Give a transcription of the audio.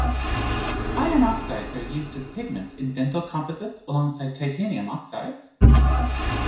Iron oxides are used as pigments in dental composites alongside titanium oxides.